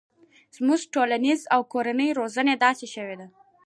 زموږ ټولنیزه او کورنۍ روزنه داسې شوي